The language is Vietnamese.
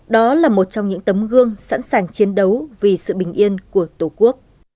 đó là một trong những tấm gương sẵn sàng chiến đấu vì sự bình yên của tổ quốc